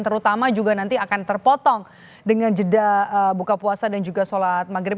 terutama juga nanti akan terpotong dengan jeda buka puasa dan juga sholat maghrib